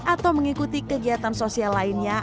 atau mengikuti kegiatan sosial lainnya